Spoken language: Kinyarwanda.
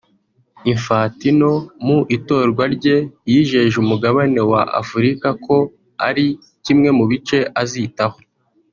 Infantino mu itorwa rye yijeje umugabane wa Afurika ko ari kimwe mu bice azitaho